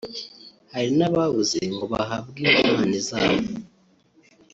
hari n’ababuze ngo bahabwe ingurane zabo